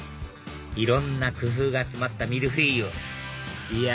いろんな工夫が詰まったミルフィーユいや